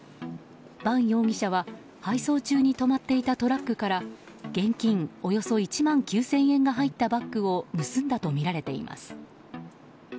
塙容疑者は、配送中に止まっていたトラックから現金およそ１万９０００円が入ったバッグを盗んだとみられています。